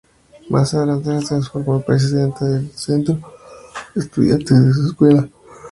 Más adelante se transformó en presidenta del Centro de Estudiantes de su escuela.